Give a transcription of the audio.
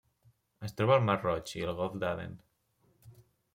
Es troba al Mar Roig i el Golf d'Aden.